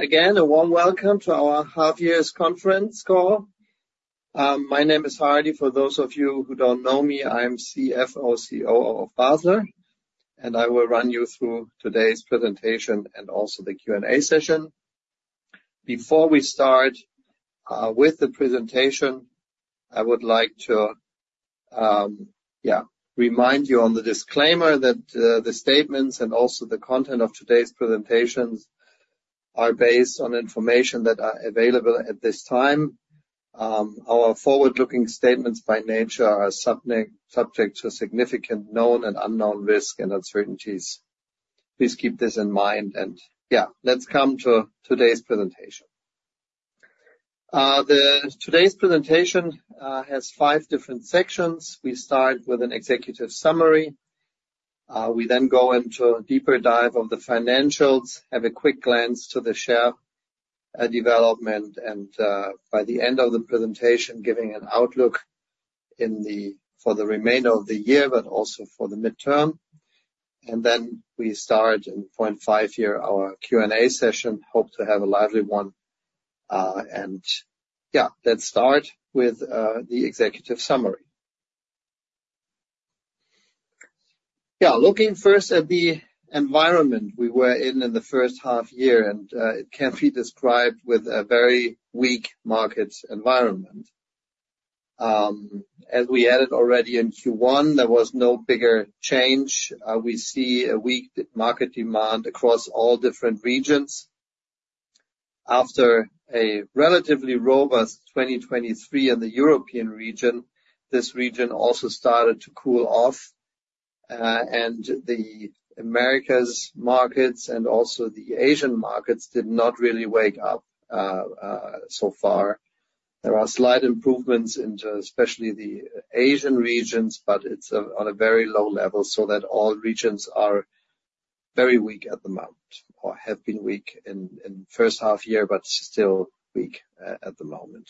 Again, a warm welcome to our half year's conference call. My name is Hardy. For those of you who don't know me, I am CFO, COO of Basler, and I will run you through today's presentation and also the Q&A session. Before we start with the presentation, I would like to remind you on the disclaimer that the statements and also the content of today's presentations are based on information that are available at this time. Our forward-looking statements, by nature, are subject to significant known and unknown risks and uncertainties. Please keep this in mind, and let's come to today's presentation. Today's presentation has five different sections. We start with an executive summary. We then go into a deeper dive of the financials, have a quick glance to the share development, and by the end of the presentation, giving an outlook for the remainder of the year, but also for the midterm. Then we start in point five here, our Q&A session. Hope to have a lively one. Let's start with the executive summary. Looking first at the environment we were in, in the first half year, it can be described with a very weak market environment. As we added already in Q1, there was no bigger change. We see a weak market demand across all different regions. After a relatively robust 2023 in the European region, this region also started to cool off, and the Americas markets and also the Asian markets did not really wake up, so far. There are slight improvements into especially the Asian regions, but it's on a very low level, so that all regions are very weak at the moment, or have been weak in the first half year, but still weak at the moment.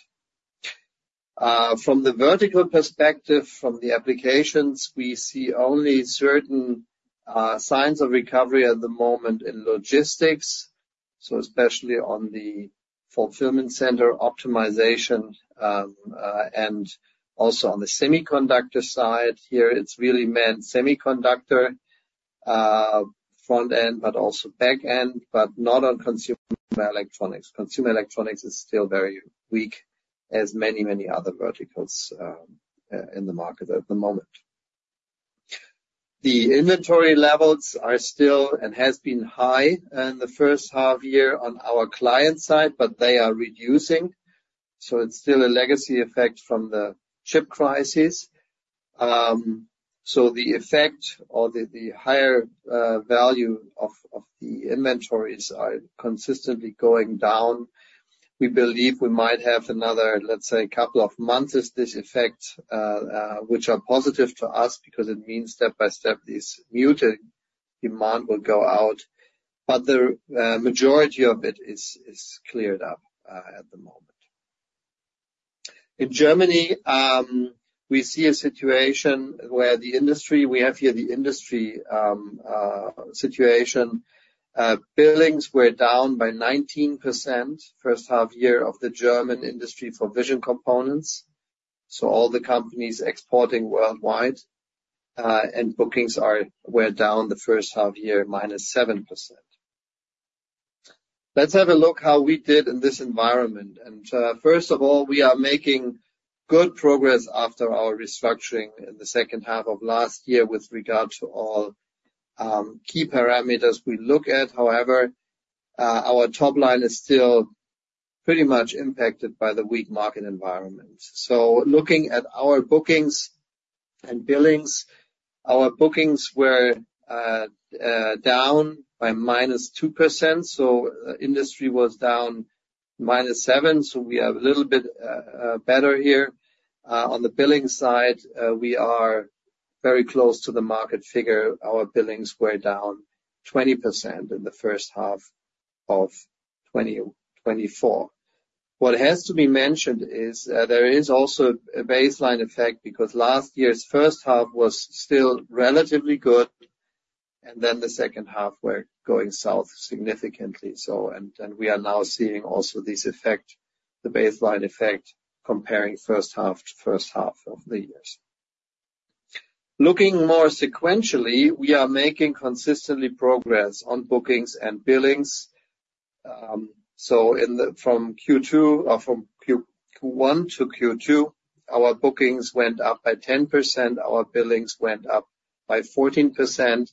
From the vertical perspective, from the applications, we see only certain signs of recovery at the moment in logistics, so especially on the fulfillment center optimization, and also on the semiconductor side. Here, it's really meant semiconductor, front end, but also back end, but not on consumer electronics. Consumer electronics is still very weak, as many, many other verticals, in the market at the moment. The inventory levels are still, and has been, high in the first half year on our client side, but they are reducing, so it's still a legacy effect from the chip crisis. So the effect or the higher value of the inventories are consistently going down. We believe we might have another, let's say, couple of months as this effect, which are positive to us because it means step by step, this muted demand will go out, but the majority of it is cleared up, at the moment. In Germany, we see a situation where the industry-- we have here the industry situation. Billings were down by 19% first half year of the German industry for vision components, so all the companies exporting worldwide, and bookings were down the first half year, -7%. Let's have a look how we did in this environment. First of all, we are making good progress after our restructuring in the second half of last year with regard to all key parameters we look at. However, our top line is still pretty much impacted by the weak market environment. So looking at our bookings and billings, our bookings were down by -2%, so industry was down -7%, so we are a little bit better here. On the billing side, we are very close to the market figure. Our billings were down 20% in the first half of 2024. What has to be mentioned is, there is also a baseline effect, because last year's first half was still relatively good, and then the second half were going south significantly. So, we are now seeing also this effect, the baseline effect, comparing first half to first half of the years. Looking more sequentially, we are making consistently progress on bookings and billings. So from Q1 to Q2, our bookings went up by 10%, our billings went up by 14%,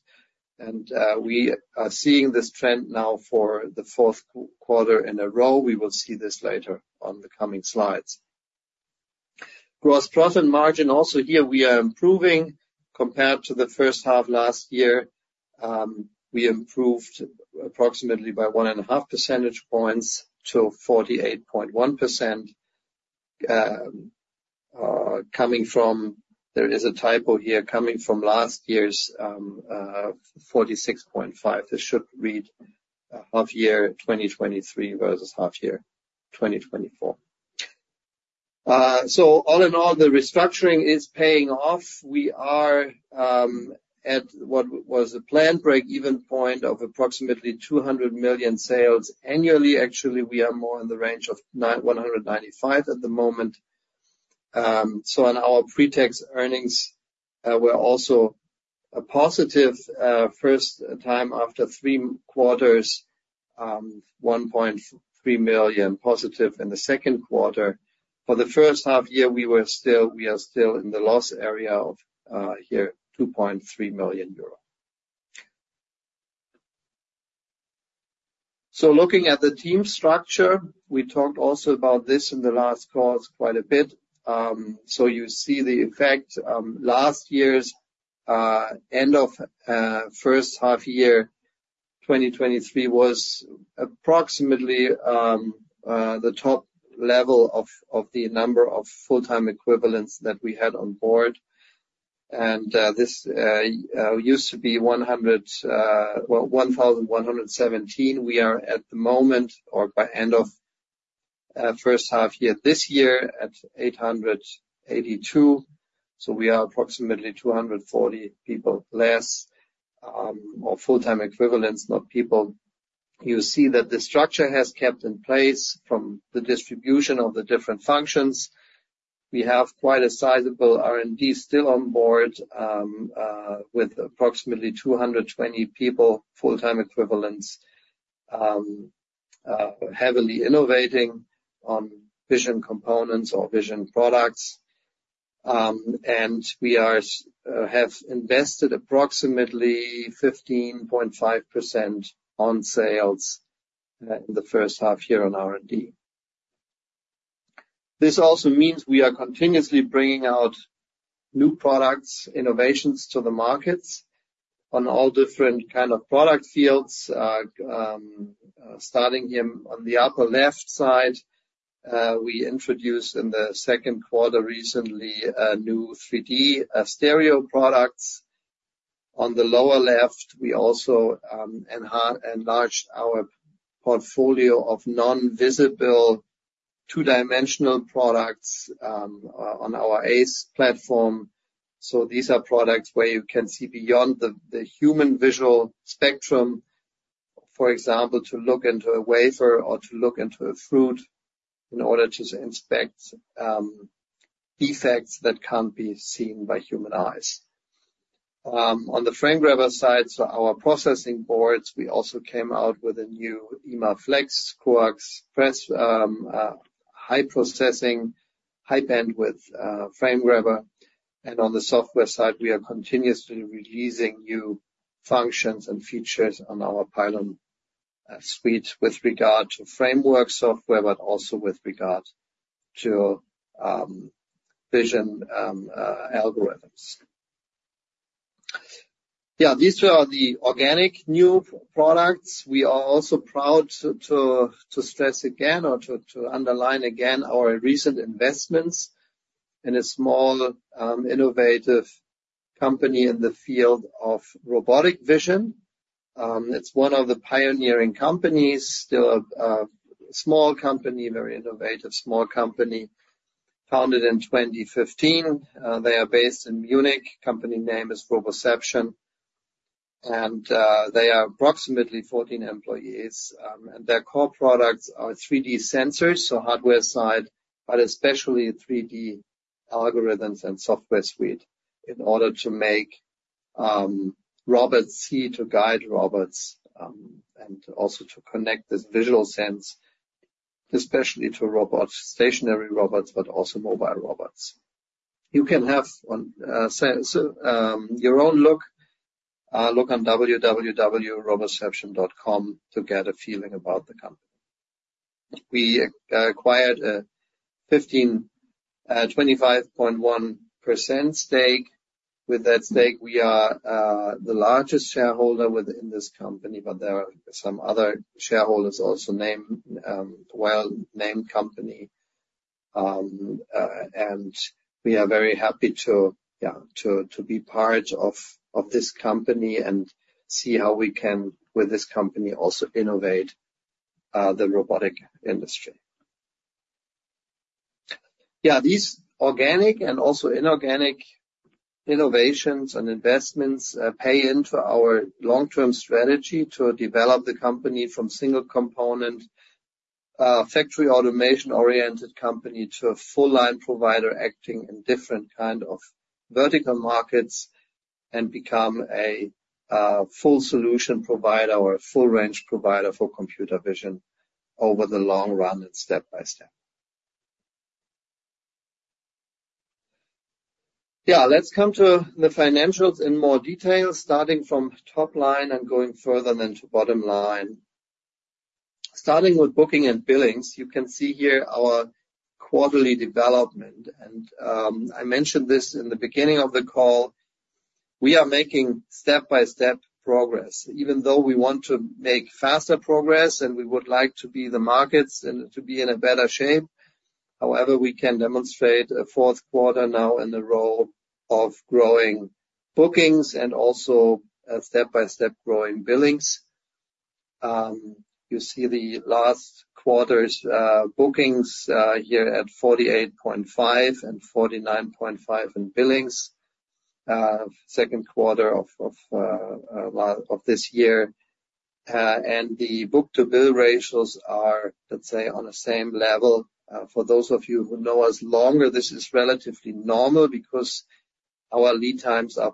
and, we are seeing this trend now for the fourth quarter in a row. We will see this later on the coming slides. Gross profit margin, also here we are improving compared to the first half last year. We improved approximately by 1.5 percentage points to 48.1%, coming from... There is a typo here, coming from last year's 46.5%. This should read half year 2023 versus half year 2024. So all in all, the restructuring is paying off. We are at what was the planned break-even point of approximately 200 million sales annually. Actually, we are more in the range of 195 at the moment. So on our pre-tax earnings were also a positive, first time after three quarters, 1.3 million positive in the second quarter. For the first half year, we were still, we are still in the loss area of year, 2.3 million euro. So looking at the team structure, we talked also about this in the last calls quite a bit. So you see the effect. Last year's end of first half year, 2023, was approximately the top level of the number of full-time equivalents that we had on board. And this used to be 1,117. We are at the moment, or by end of first half year, this year, at 882. So we are approximately 240 people less, or full-time equivalents, not people. You see that the structure has kept in place from the distribution of the different functions. We have quite a sizable R&D still on board, with approximately 220 people, full-time equivalents, heavily innovating on vision components or vision products. We have invested approximately 15.5% on sales in the first half year on R&D. This also means we are continuously bringing out new products, innovations to the markets on all different kind of product fields. Starting here on the upper left side, we introduced in the second quarter, recently, a new 3D stereo products. On the lower left, we also enlarged our portfolio of non-visible two-dimensional products on our ace platform. So these are products where you can see beyond the human visual spectrum, for example, to look into a wafer or to look into a fruit in order to inspect defects that can't be seen by human eyes. On the frame grabber side, so our processing boards, we also came out with a new imaFlex CoaXPress, high processing, high bandwidth frame grabber. And on the software side, we are continuously releasing new functions and features on our pylon suite with regard to framework software, but also with regard to vision algorithms. Yeah, these two are the organic new products. We are also proud to stress again or to underline again our recent investments in a small innovative company in the field of robotic vision. It's one of the pioneering companies, still a small company, very innovative small company, founded in 2015. They are based in Munich. Company name is Roboception, and they are approximately 14 employees. And their core products are 3D sensors, so hardware side, but especially 3D algorithms and software suite, in order to make robots see, to guide robots, and also to connect this visual sense, especially to robots, stationary robots, but also mobile robots. You can have a look on www.roboception.com to get a feeling about the company. We acquired a 25.1% stake. With that stake, we are the largest shareholder within this company, but there are some other shareholders, also named well-known company. We are very happy to, yeah, to be part of this company and see how we can, with this company, also innovate the robotic industry. Yeah, these organic and also inorganic innovations and investments pay into our long-term strategy to develop the company from single component factory automation-oriented company to a full line provider acting in different kind of vertical markets, and become a full solution provider or a full range provider for computer vision over the long run and step by step. Yeah, let's come to the financials in more detail, starting from top line and going further than to bottom line. Starting with booking and billings, you can see here our quarterly development, and I mentioned this in the beginning of the call, we are making step-by-step progress. Even though we want to make faster progress, and we would like to be in the markets and to be in a better shape, however, we can demonstrate a fourth quarter now in the role of growing bookings and also a step-by-step growing billings. You see the last quarter's bookings here at 48.5 and 49.5 in billings. Second quarter of this year. And the book-to-bill ratios are, let's say, on the same level. For those of you who know us longer, this is relatively normal because our lead times are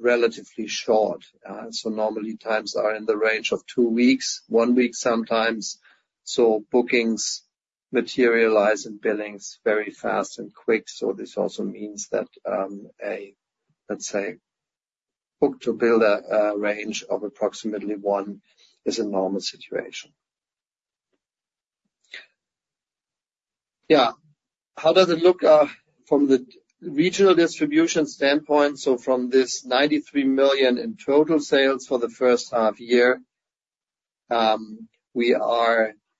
relatively short. So normally, times are in the range of two weeks, one week sometimes, so bookings materialize and billings very fast and quick. So this also means that, let's say, book-to-bill range of approximately one is a normal situation. Yeah. How does it look from the regional distribution standpoint? So from this 93 million in total sales for the first half year, we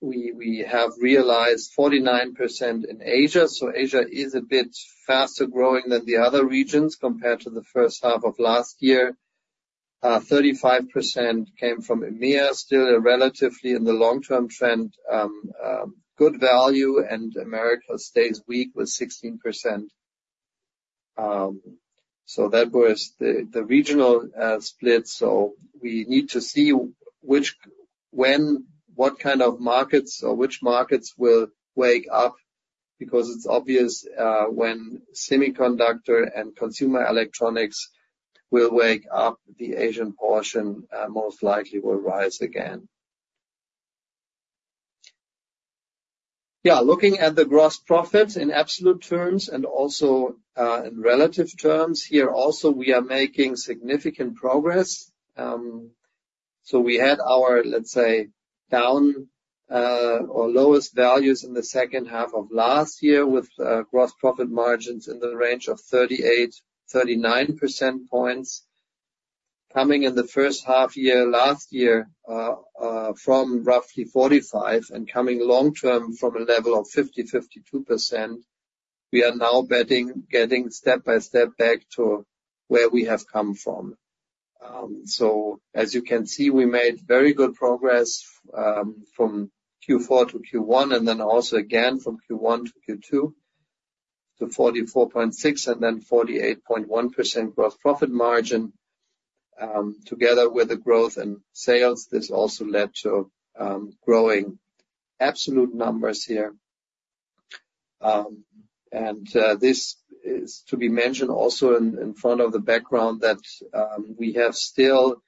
have realized 49% in Asia. So Asia is a bit faster growing than the other regions compared to the first half of last year. Thirty-five percent came from EMEA, still a relatively, in the long-term trend, good value, and America stays weak with 16%. So that was the regional split, so we need to see which, when, what kind of markets or which markets will wake up, because it's obvious, when semiconductor and consumer electronics will wake up, the Asian portion most likely will rise again. Yeah, looking at the gross profits in absolute terms and also in relative terms, here also, we are making significant progress. So we had our, let's say, down, or lowest values in the second half of last year with gross profit margins in the range of 38-39 percent points. Coming in the first half year, last year, from roughly 45 and coming long-term from a level of 50-52%, we are now betting, getting step-by-step back to where we have come from. So as you can see, we made very good progress from Q4 to Q1, and then also again from Q1 to Q2, to 44.6, and then 48.1% gross profit margin. Together with the growth in sales, this also led to growing absolute numbers here. This is to be mentioned also in front of the background that we have still,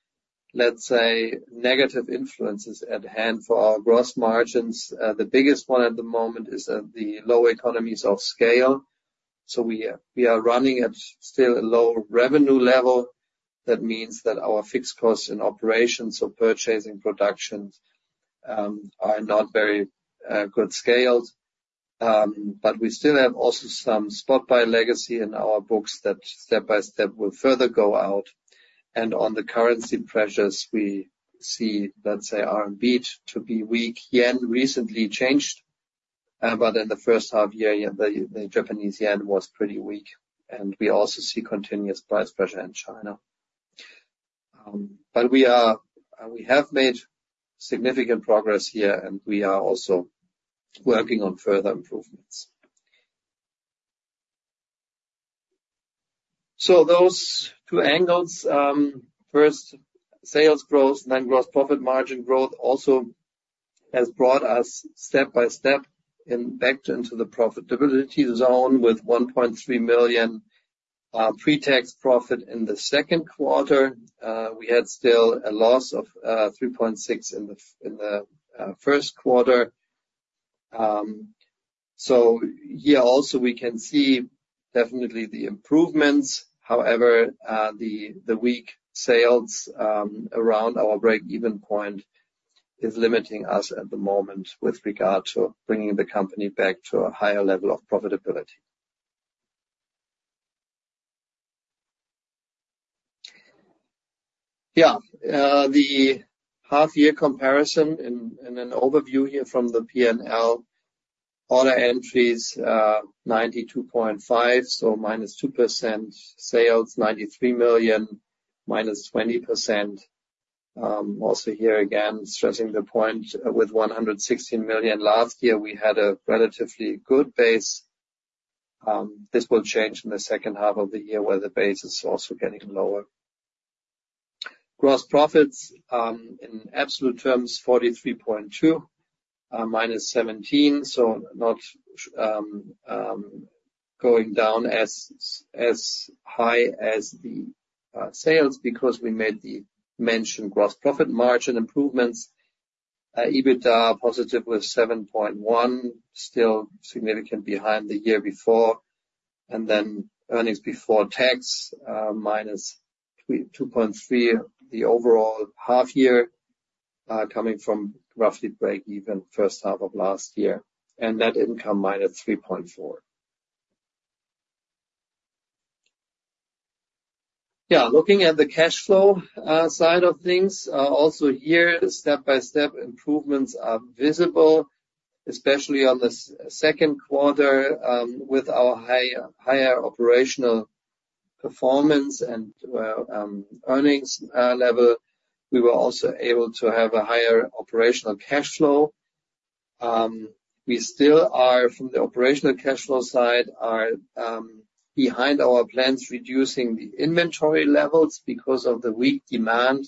let's say, negative influences at hand for our gross margins. The biggest one at the moment is the low economies of scale. So we are running at still a low revenue level. That means that our fixed costs in operations of purchasing productions are not very good scaled. But we still have also some spot buy legacy in our books that step-by-step will further go out. And on the currency pressures, we see, let's say, RMB to be weak. Yen recently changed, but in the first half year, the Japanese yen was pretty weak, and we also see continuous price pressure in China. But we have made significant progress here, and we are also working on further improvements. So those two angles, first, sales growth, then gross profit margin growth, also has brought us step-by-step back into the profitability zone with 1.3 million pre-tax profit in the second quarter. We had still a loss of 3.6 million in the first quarter. So here also, we can see definitely the improvements. However, the weak sales around our break-even point is limiting us at the moment with regard to bringing the company back to a higher level of profitability. The half-year comparison in an overview here from the P&L, order entries, 92.5 million, so -2%. Sales, 93 million, -20%. Also here again, stressing the point, with 116 million last year, we had a relatively good base. This will change in the second half of the year, where the base is also getting lower. Gross profits, in absolute terms, 43.2 million, minus 17 million, so not going down as high as the sales because we made the mentioned gross profit margin improvements. EBITDA positive with 7.1 million, still significant behind the year before. And then earnings before tax, minus 2.3, the overall half year, coming from roughly break even first half of last year, and net income, minus 3.4. Yeah, looking at the cash flow, side of things, also here, step-by-step improvements are visible, especially on the second quarter, with our higher, higher operational-... performance and earnings level, we were also able to have a higher operational cash flow. We still are, from the operational cash flow side, behind our plans, reducing the inventory levels because of the weak demand.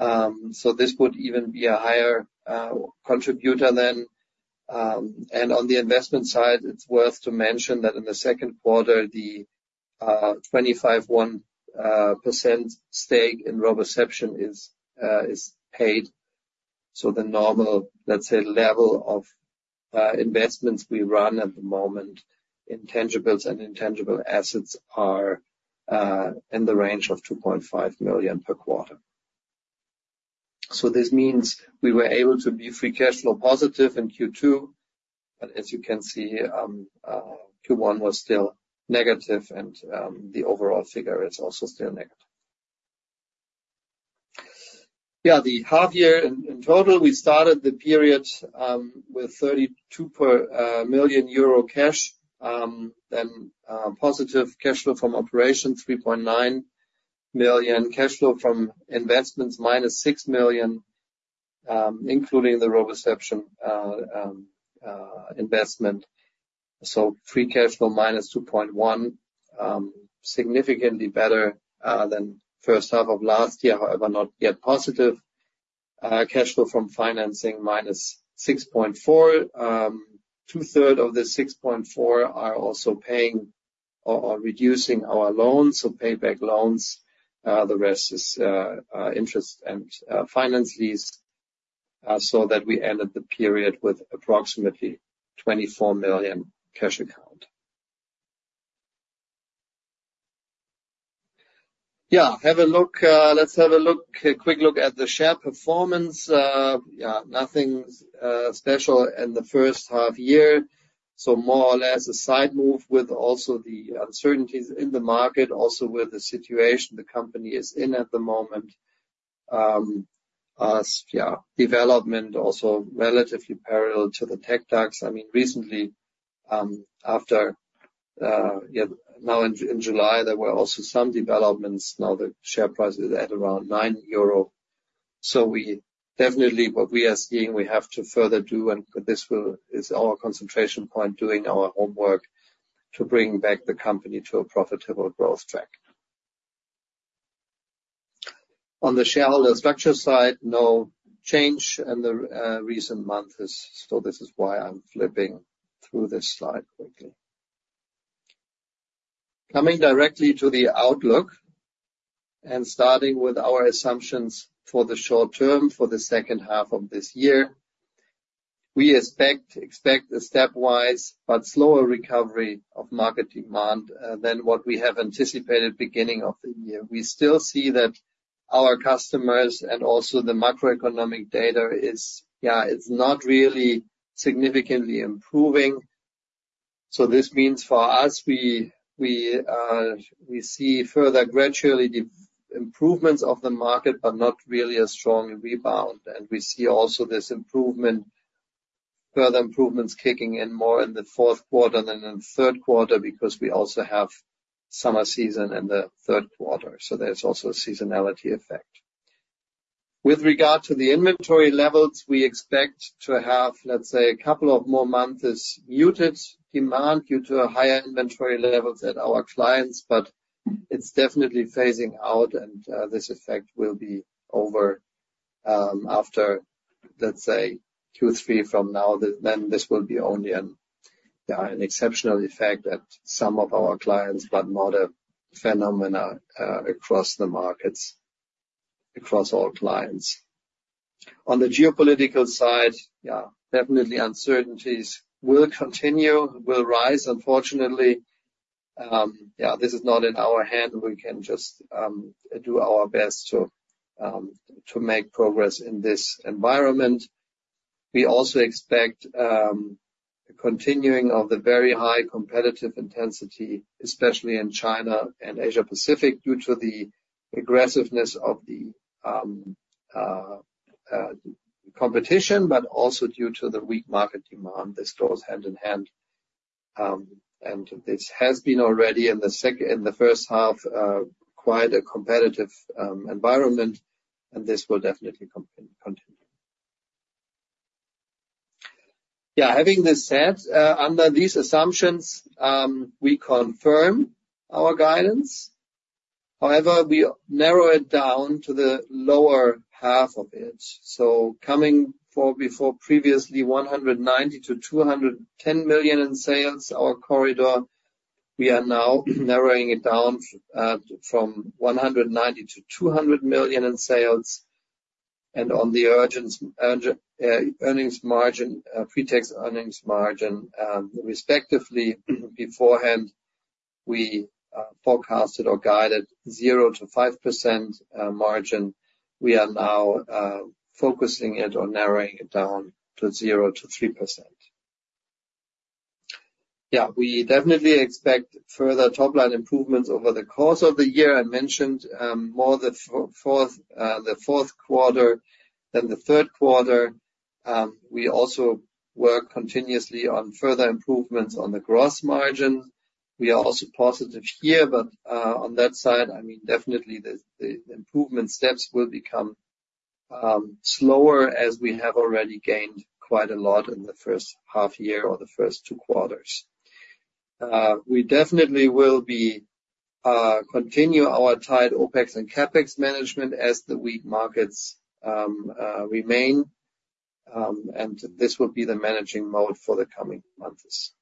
So this would even be a higher contributor then. And on the investment side, it's worth to mention that in the second quarter, the 25.1% stake in Roboception is paid. So the normal, let's say, level of investments we run at the moment, intangibles and intangible assets are in the range of 2.5 million per quarter. So this means we were able to be free cash flow positive in Q2, but as you can see, Q1 was still negative, and the overall figure is also still negative. Yeah, the half year in total, we started the period with 32 million euro cash, then positive cash flow from operation 3.9 million. Cash flow from investments -6 million, including the Roboception investment. So free cash flow -2.1, significantly better than first half of last year, however, not yet positive. Cash flow from financing -6.4. Two thirds of the 6.4 are also paying or reducing our loans, so pay back loans. The rest is interest and finance lease, so that we ended the period with approximately 24 million cash account. Yeah, have a look, let's have a look, a quick look at the share performance. Yeah, nothing special in the first half year, so more or less a side move with also the uncertainties in the market, also with the situation the company is in at the moment. Yeah, development also relatively parallel to the TecDAX. I mean, recently, after yeah, now in, in July, there were also some developments. Now, the share price is at around 9 euro. So we definitely, what we are seeing, we have to further do, and this will- is our concentration point, doing our homework to bring back the company to a profitable growth track. On the shareholder structure side, no change in the recent months, so this is why I'm flipping through this slide quickly. Coming directly to the outlook, and starting with our assumptions for the short term, for the second half of this year, we expect a stepwise but slower recovery of market demand than what we have anticipated beginning of the year. We still see that our customers and also the macroeconomic data is, yeah, it's not really significantly improving. So this means for us, we see further gradually the improvements of the market, but not really a strong rebound. And we see also this improvement, further improvements kicking in more in the fourth quarter than in the third quarter, because we also have summer season in the third quarter, so there's also a seasonality effect. With regard to the inventory levels, we expect to have, let's say, a couple of more months muted demand due to a higher inventory levels at our clients, but it's definitely phasing out, and this effect will be over after, let's say, Q3 from now. Then this will be only an exceptional effect at some of our clients, but not a phenomenon across the markets, across all clients. On the geopolitical side, yeah, definitely uncertainties will continue, will rise, unfortunately. Yeah, this is not in our hand. We can just do our best to make progress in this environment. We also expect continuing of the very high competitive intensity, especially in China and Asia Pacific, due to the aggressiveness of the competition, but also due to the weak market demand. This goes hand in hand, and this has been already in the first half, quite a competitive environment, and this will definitely continue. Yeah, having this said, under these assumptions, we confirm our guidance. However, we narrow it down to the lower half of it. So coming for before previously, 190 million-210 million in sales, our corridor, we are now narrowing it down, from 190 million-200 million in sales. And on the earnings margin, pre-tax earnings margin, respectively, beforehand, we forecasted or guided 0%-5% margin. We are now focusing it or narrowing it down to 0%-3%. Yeah, we definitely expect further top-line improvements over the course of the year. I mentioned more the fourth quarter than the third quarter. We also work continuously on further improvements on the gross margin. We are also positive here, but on that side, I mean, definitely the improvement steps will become slower as we have already gained quite a lot in the first half year or the first two quarters. We definitely will be continue our tight OpEx and CapEx management as the weak markets remain, and this will be the managing mode for the coming months.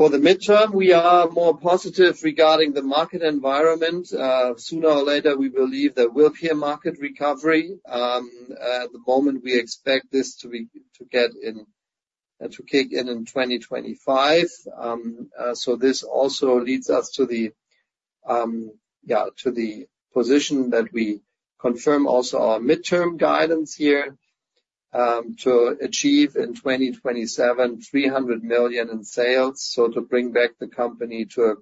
For the midterm, we are more positive regarding the market environment. Sooner or later, we believe there will be a market recovery. At the moment, we expect this to get in to kick in in 2025. So this also leads us to the position that we confirm also our midterm guidance here, to achieve in 2027, 300 million in sales. So to bring back the company to a,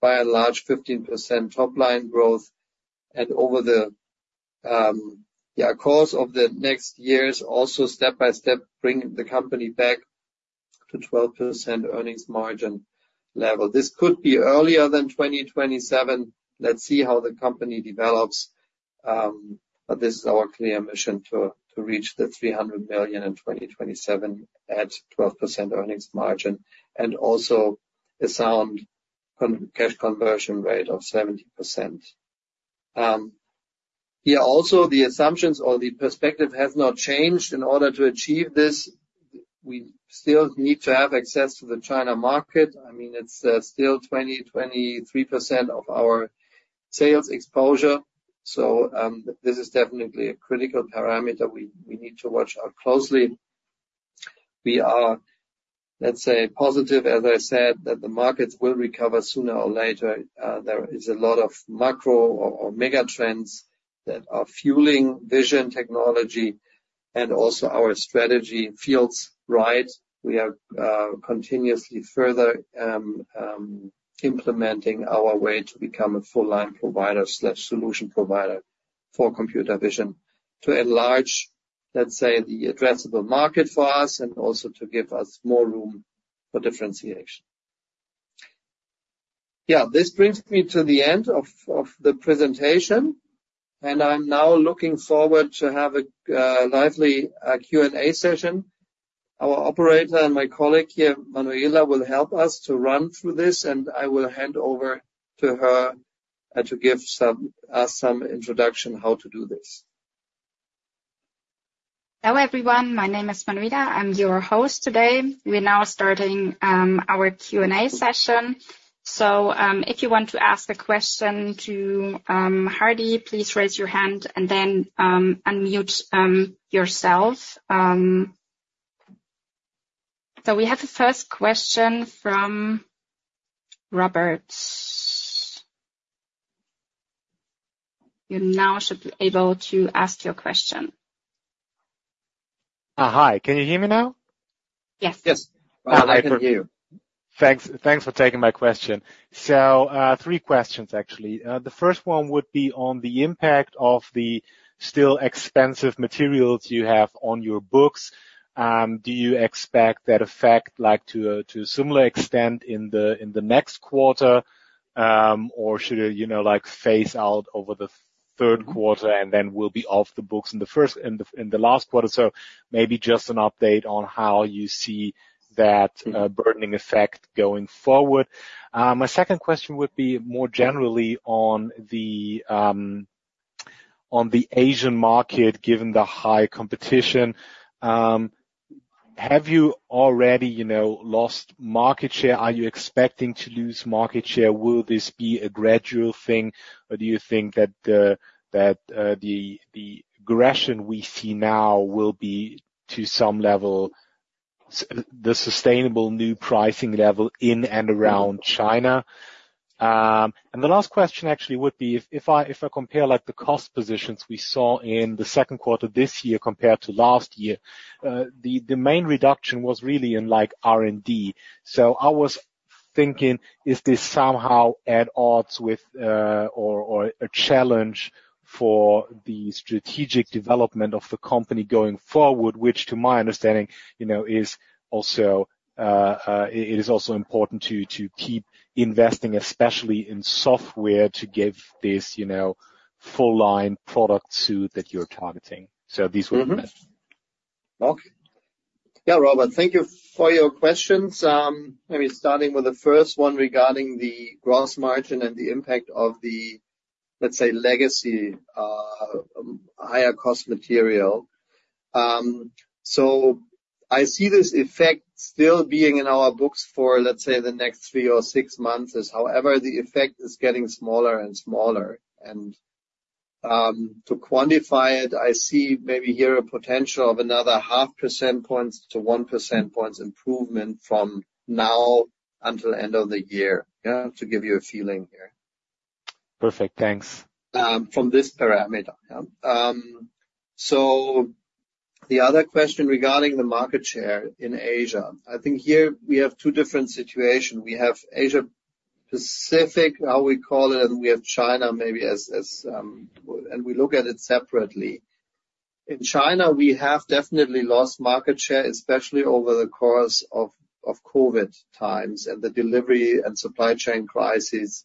by and large, 15% top line growth, and over the course of the next years, also step by step, bring the company back to 12% earnings margin level. This could be earlier than 2027. Let's see how the company develops. But this is our clear mission to reach the 300 million in 2027 at 12% earnings margin, and also a sound cash conversion rate of 70%. Here also, the assumptions or the perspective has not changed. In order to achieve this, we still need to have access to the China market. I mean, it's still 23% of our sales exposure, so this is definitely a critical parameter we need to watch out closely. We are, let's say, positive, as I said, that the markets will recover sooner or later. There is a lot of macro or mega trends that are fueling vision technology and also our strategy feels right. We are continuously further implementing our way to become a full line provider/solution provider for computer vision to enlarge, let's say, the addressable market for us, and also to give us more room for differentiation. Yeah, this brings me to the end of the presentation, and I'm now looking forward to have a lively Q&A session. Our operator and my colleague here, Manuela, will help us to run through this, and I will hand over to her, to give some, some introduction how to do this. Hello, everyone. My name is Manuela. I'm your host today. We're now starting our Q&A session. So, if you want to ask a question to Hardy, please raise your hand and then unmute yourself. So we have the first question from Robert. You now should be able to ask your question. Hi, can you hear me now? Yes. Yes. I hear you. Thanks, thanks for taking my question. So, three questions, actually. The first one would be on the impact of the still expensive materials you have on your books. Do you expect that effect like, to a similar extent in the next quarter, or should it, you know, like, phase out over the third quarter and then will be off the books in the last quarter? So maybe just an update on how you see that, burdening effect going forward. My second question would be more generally on the Asian market, given the high competition. Have you already, you know, lost market share? Are you expecting to lose market share? Will this be a gradual thing, or do you think that the aggression we see now will be, to some level, the sustainable new pricing level in and around China? And the last question actually would be, if I compare, like, the cost positions we saw in the second quarter this year compared to last year, the main reduction was really in, like, R&D. So I was thinking, is this somehow at odds with, or a challenge for the strategic development of the company going forward? Which, to my understanding, you know, is also, it is also important to keep investing, especially in software, to give this, you know, full line product suite that you're targeting. So these were my- Mm-hmm. questions. Okay. Yeah, Robert, thank you for your questions. Maybe starting with the first one regarding the gross margin and the impact of the, let's say, legacy, higher cost material. So I see this effect still being in our books for, let's say, the next 3 or 6 months. However, the effect is getting smaller and smaller, and, to quantify it, I see maybe here a potential of another 0.5-1 percentage points improvement from now until end of the year. Yeah, to give you a feeling here. Perfect, thanks. From this parameter. So the other question regarding the market share in Asia, I think here we have two different situation. We have Asia-Pacific, how we call it, and we have China maybe as, and we look at it separately. In China, we have definitely lost market share, especially over the course of COVID times and the delivery and supply chain crisis.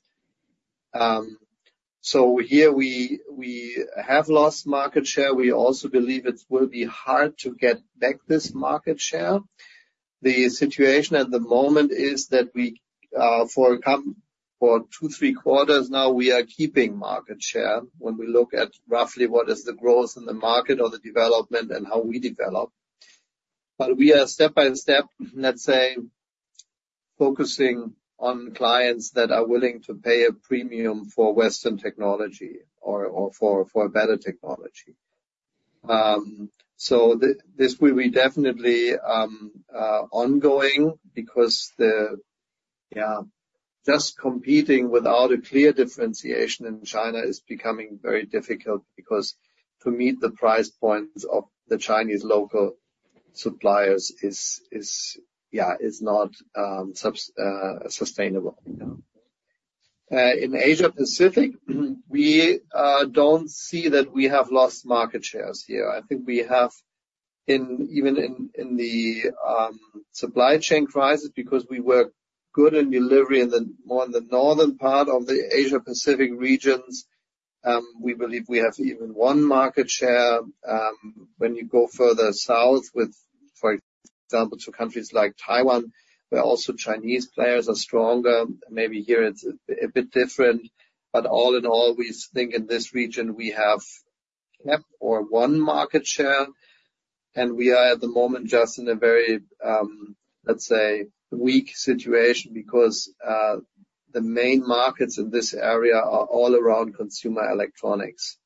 So here we have lost market share. We also believe it will be hard to get back this market share. The situation at the moment is that we, for 2-3 quarters now, we are keeping market share when we look at roughly what is the growth in the market or the development and how we develop. But we are step by step, let's say, focusing on clients that are willing to pay a premium for Western technology or for better technology. So this will be definitely ongoing because yeah, just competing without a clear differentiation in China is becoming very difficult, because to meet the price points of the Chinese local suppliers is yeah, is not sustainable. In Asia-Pacific, we don't see that we have lost market shares here. I think we have even in the supply chain crisis, because we were good in delivery in the more northern part of the Asia-Pacific regions, we believe we have even won market share. When you go further south with, for example, to countries like Taiwan, where also Chinese players are stronger, maybe here it's a bit different. But all in all, we think in this region we have kept or one market share, and we are at the moment just in a very, let's say, weak situation, because the main markets in this area are all around consumer electronics.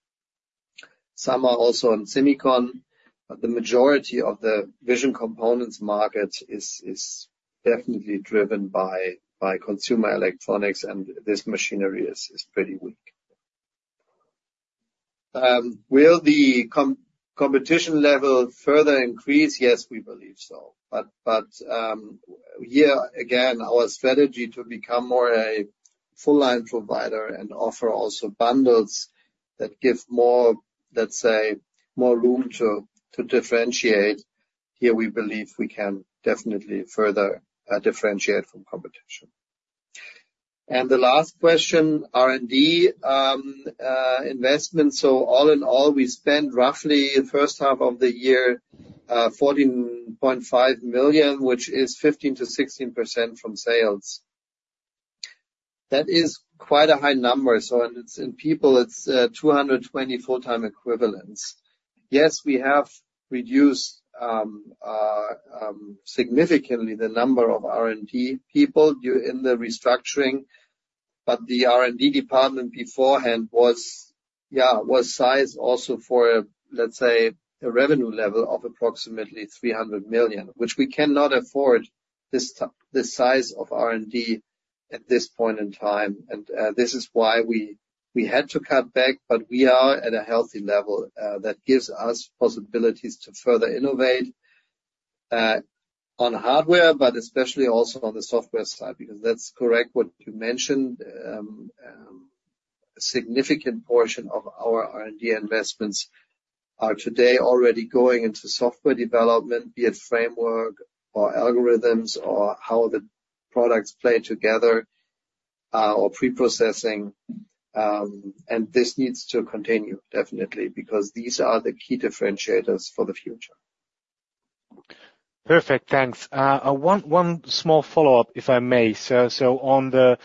Some are also in semicon, but the majority of the vision components market is definitely driven by consumer electronics, and this machinery is pretty weak. Will the competition level further increase? Yes, we believe so. But here, again, our strategy to become more a full line provider and offer also bundles that give more, let's say, more room to differentiate, here we believe we can definitely further differentiate from competition. And the last question, R&D investment. So all in all, we spent roughly the first half of the year, 14.5 million, which is 15%-16% from sales. That is quite a high number, so and it's in people, it's, 220 full-time equivalents. Yes, we have reduced, significantly the number of R&D people during the restructuring, but the R&D department beforehand was, yeah, was sized also for, let's say, a revenue level of approximately 300 million, which we cannot afford this this size of R&D at this point in time. And, this is why we, we had to cut back, but we are at a healthy level, that gives us possibilities to further innovate, on hardware, but especially also on the software side, because that's correct what you mentioned. Significant portion of our R&D investments are today already going into software development, be it framework or algorithms or how the products play together, or preprocessing. And this needs to continue, definitely, because these are the key differentiators for the future. Perfect. Thanks. One small follow-up, if I may. So on the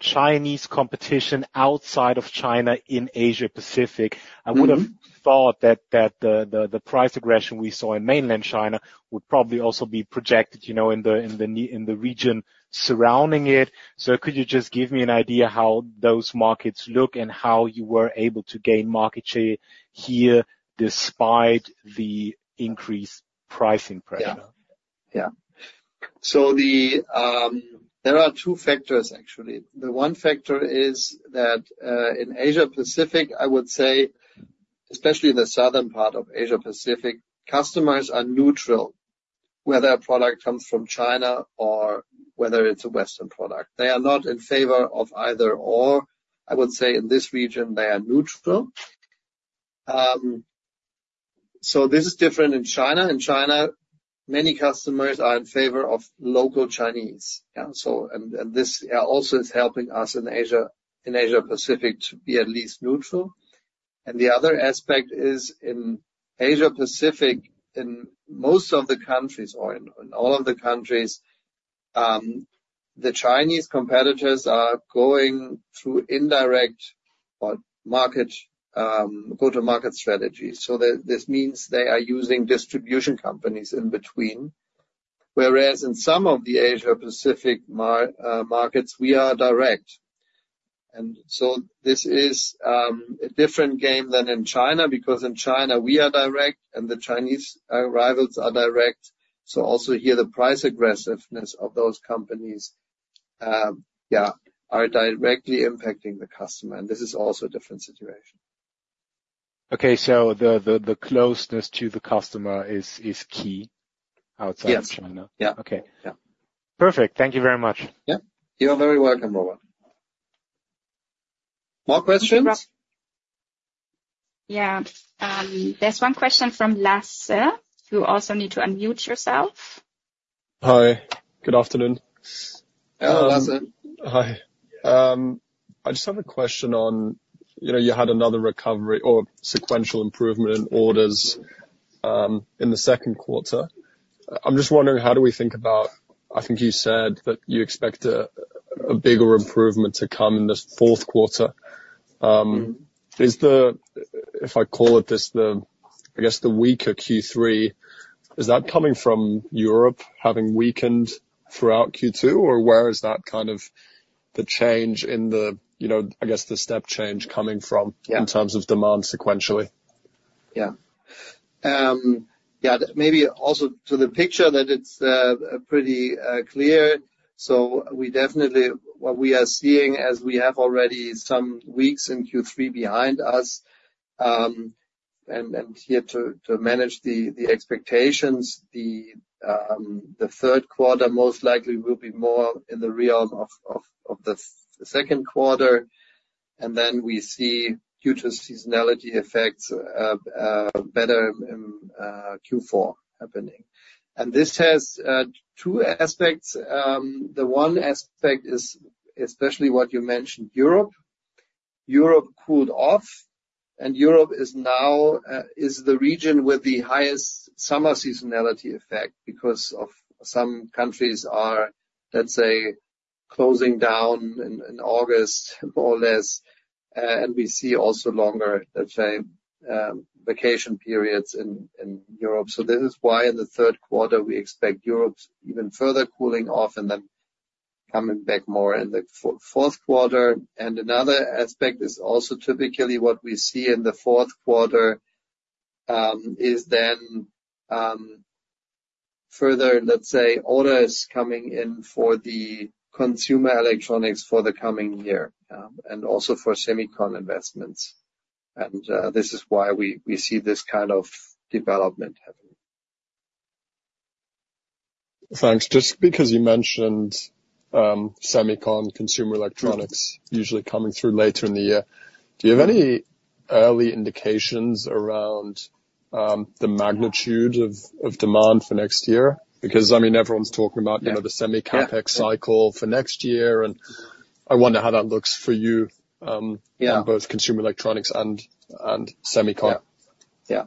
Chinese competition outside of China in Asia-Pacific- Mm-hmm. I would have thought that the price aggression we saw in mainland China would probably also be projected, you know, in the region surrounding it. So could you just give me an idea how those markets look and how you were able to gain market share here, despite the increased pricing pressure? Yeah. Yeah. So the, there are two factors, actually. The one factor is that, in Asia-Pacific, I would say, especially in the southern part of Asia-Pacific, customers are neutral, whether a product comes from China or whether it's a Western product. They are not in favor of either or. I would say in this region, they are neutral. So this is different in China. In China, many customers are in favor of local Chinese, yeah. So, and, and this, also is helping us in Asia, in Asia-Pacific to be at least neutral. And the other aspect is in Asia-Pacific, in most of the countries or in, in all of the countries, the Chinese competitors are going through indirect or market, go-to-market strategy. So this, this means they are using distribution companies in between. Whereas in some of the Asia-Pacific markets, we are direct. And so this is a different game than in China, because in China, we are direct, and the Chinese rivals are direct. So also here, the price aggressiveness of those companies, yeah, are directly impacting the customer, and this is also a different situation. Okay, so the closeness to the customer is key outside of China? Yes. Yeah. Okay. Yeah. Perfect. Thank you very much. Yeah. You're very welcome, Robert. More questions? Yeah. There's one question from Lasse. You also need to unmute yourself. Hi. Good afternoon. Hello, Lasse. Hi. I just have a question on, you know, you had another recovery or sequential improvement in orders in the second quarter. I'm just wondering, how do we think about—I think you said that you expect a bigger improvement to come in this fourth quarter. Is the, if I call it this, the, I guess, the weaker Q3, is that coming from Europe having weakened throughout Q2? Or where is that kind of the change in the, you know, I guess, the step change coming from? Yeah in terms of demand sequentially? Yeah. Yeah, maybe also to the picture that it's pretty clear. So we definitely, what we are seeing as we have already some weeks in Q3 behind us, and here to manage the expectations, the third quarter most likely will be more in the realm of the second quarter, and then we see future seasonality effects better in Q4 happening. And this has two aspects. The one aspect is especially what you mentioned, Europe. Europe cooled off, and Europe is now the region with the highest summer seasonality effect because of some countries are, let's say, closing down in August, more or less, and we see also longer, let's say, vacation periods in Europe. So this is why in the third quarter, we expect Europe even further cooling off and then coming back more in the fourth quarter. And another aspect is also typically what we see in the fourth quarter is then further, let's say, orders coming in for the consumer electronics for the coming year, and also for semicon investments. And this is why we see this kind of development happening. Thanks. Just because you mentioned semicon consumer electronics usually coming through later in the year, do you have any early indications around the magnitude of demand for next year? Because, I mean, everyone's talking about- Yeah you know, the semicon CapEx cycle for next year, and I wonder how that looks for you. Yeah in both consumer electronics and semicon. Yeah. Yeah.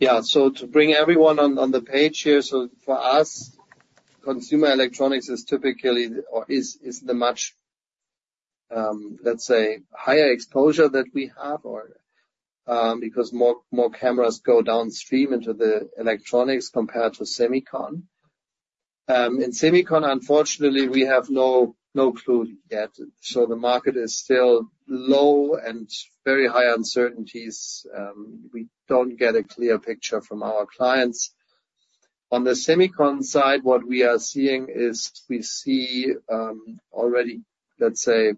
Yeah, so to bring everyone on the page here, so for us, consumer electronics is typically or is the much, let's say, higher exposure that we have or because more cameras go downstream into the electronics compared to semicon. In semicon, unfortunately, we have no clue yet. So the market is still low and very high uncertainties. We don't get a clear picture from our clients. On the semicon side, what we are seeing is we see already, let's say,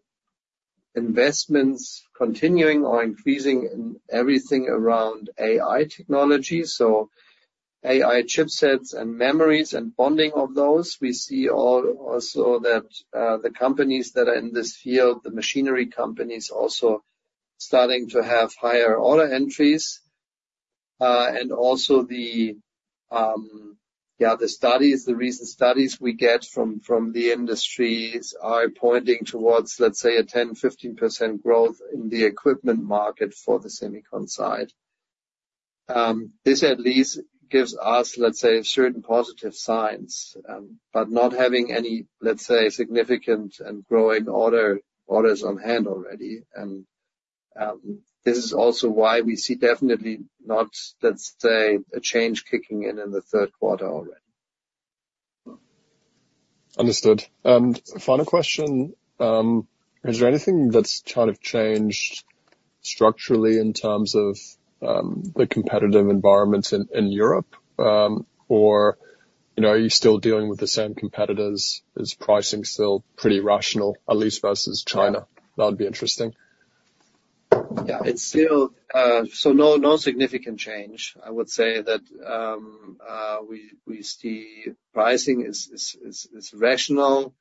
investments continuing or increasing in everything around AI technology. So AI chipsets and memories and bonding of those, we see all also that the companies that are in this field, the machinery companies, also starting to have higher order entries. And also the recent studies we get from the industries are pointing towards, let's say, a 10-15% growth in the equipment market for the semicon side. This at least gives us, let's say, certain positive signs, but not having any, let's say, significant and growing orders on hand already. This is also why we see definitely not, let's say, a change kicking in in the third quarter already. Understood. Final question: is there anything that's kind of changed structurally in terms of the competitive environments in Europe? Or, you know, are you still dealing with the same competitors? Is pricing still pretty rational, at least versus China? That would be interesting. Yeah, it's still. So no, no significant change. I would say that we see pricing is rational.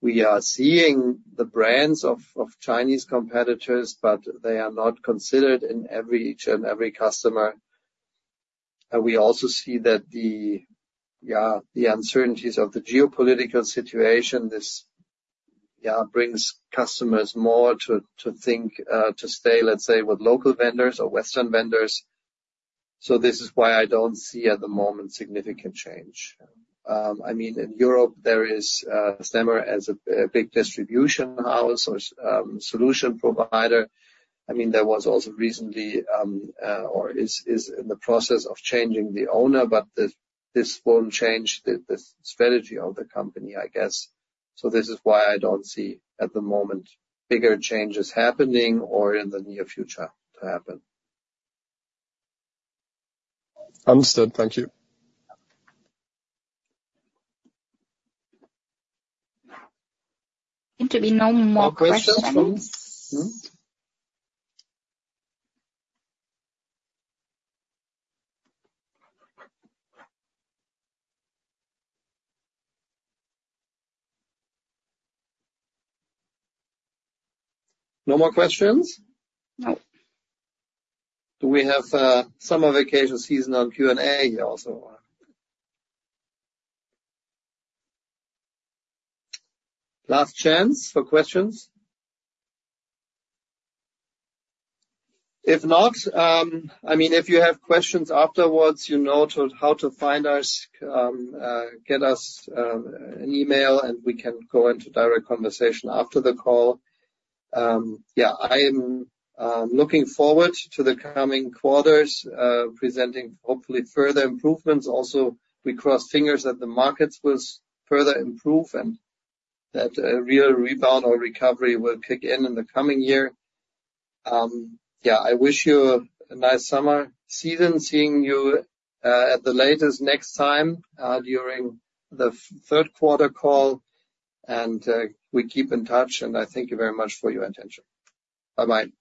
We are seeing the brands of Chinese competitors, but they are not considered in each and every customer. And we also see that the uncertainties of the geopolitical situation brings customers more to think to stay, let's say, with local vendors or Western vendors. So this is why I don't see at the moment significant change. I mean, in Europe, there is Stemmer as a big distribution house or solution provider. I mean, there was also recently or is in the process of changing the owner, but this won't change the strategy of the company, I guess. This is why I don't see at the moment, bigger changes happening or in the near future to happen. Understood. Thank you. Seem to be no more questions. More questions? Hmm. No more questions? No. Do we have summer vacation season on Q&A also? Last chance for questions. If not, I mean, if you have questions afterwards, you know how to find us, get us an email, and we can go into direct conversation after the call. Yeah, I am looking forward to the coming quarters, presenting hopefully further improvements. Also, we cross fingers that the markets will further improve and that a real rebound or recovery will kick in in the coming year. Yeah, I wish you a nice summer season, seeing you at the latest next time during the third quarter call, and we keep in touch, and I thank you very much for your attention. Bye-bye.